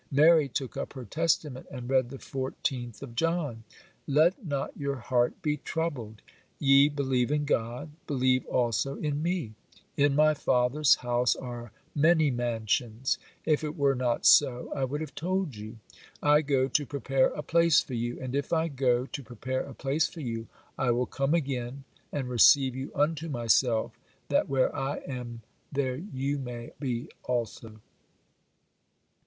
Mary took up her Testament, and read the fourteenth of John:— 'Let not your heart be troubled; ye believe in God, believe also in me; in my Father's house are many mansions; if it were not so, I would have told you; I go to prepare a place for you; and if I go to prepare a place for you, I will come again and receive you unto myself, that where I am there you may be also.